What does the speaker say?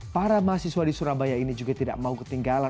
para mahasiswa di surabaya ini juga tidak mau ketinggalan